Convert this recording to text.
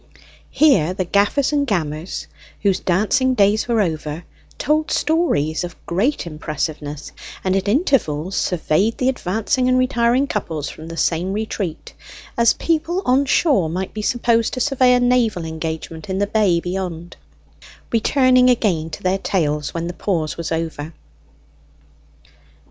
Here the gaffers and gammers, whose dancing days were over, told stories of great impressiveness, and at intervals surveyed the advancing and retiring couples from the same retreat, as people on shore might be supposed to survey a naval engagement in the bay beyond; returning again to their tales when the pause was over.